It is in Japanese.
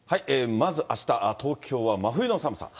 まずあした、東京は真冬の寒さ。